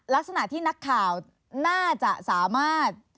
ลักษณะที่นักข่าวน่าจะสามารถ